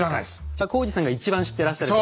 じゃ耕史さんが一番知ってらっしゃる？